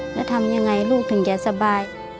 แล้วทำยังไงลูกถึงจะสบาย